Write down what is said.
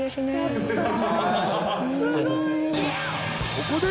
［ここで］